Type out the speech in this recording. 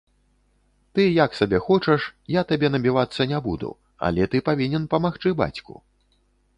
Ты як сабе хочаш, я табе набівацца не буду, але ты павінен памагчы бацьку.